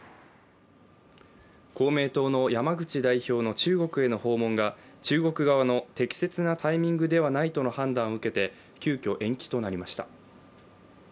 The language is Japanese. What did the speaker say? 公明党の山口代表の中国への訪問が中国側の適切なタイミングではないとの判断を受けて急きょ延期となりました。